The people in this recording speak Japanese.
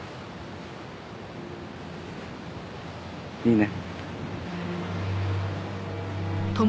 いいね？